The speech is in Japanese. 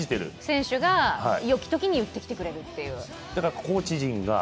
選手がよきときに出てくれるという。